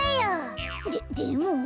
ででも。